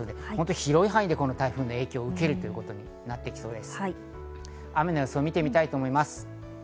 広い範囲でこの台風の影響を受けることになっていきそうです。